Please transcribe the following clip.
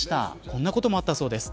こんなこともあったそうです。